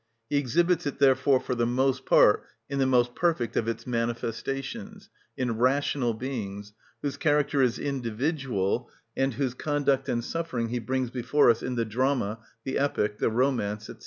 He exhibits it therefore for the most part in the most perfect of its manifestations, in rational beings, whose character is individual, and whose conduct and suffering he brings before us in the Drama, the Epic, the Romance, &c.